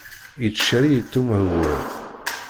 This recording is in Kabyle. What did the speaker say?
Yettcali yettemhewwal.